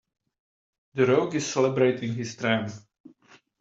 The rogue is celebrating his triumph.